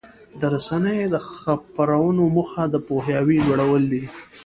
د رسنیو د خپرونو موخه د پوهاوي لوړول دي.